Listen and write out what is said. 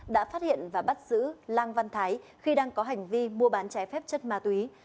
đã phát hiện và bắt giữ lang văn thái khi đang có hành vi mua bán trái phép chất ma túy